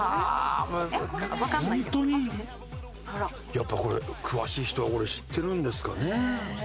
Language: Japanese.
やっぱこれ詳しい人はこれ知ってるんですかね。